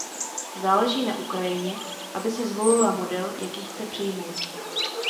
Záleží na Ukrajině, aby si zvolila model, jaký chce přijmout.